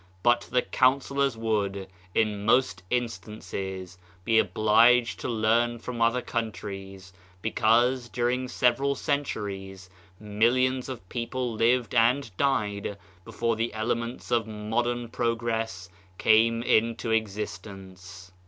But the counsellors would, in most instances, be obliged to learn from other countries, because, during several centuries, millions of people lived and died before the elements of modern prog ress came into existence.